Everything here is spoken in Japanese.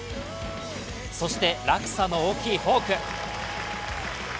そして落差の大きいフォーク。